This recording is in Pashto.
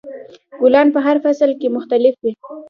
ګلان په هر فصل کې مختلف وي.